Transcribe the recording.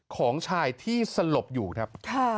ของชายที่สลบอยู่ครับ